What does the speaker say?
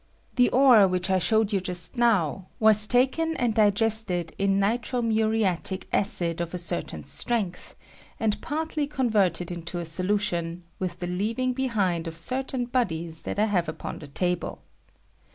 The ore which I showed you just now was taken and digested in nitro mu riatic acid of a certain strength, and partly con verted into a solution, with the leaving behind of certain bodies that I have upon the table.